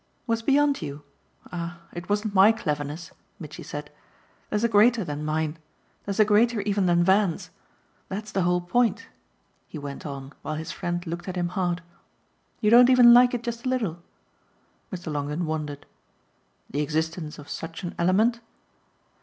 "Was beyond you? Ah it wasn't my cleverness," Mitchy said. "There's a greater than mine. There's a greater even than Van's. That's the whole point," he went on while his friend looked at him hard. "You don't even like it just a little?" Mr. Longdon wondered. "The existence of such an element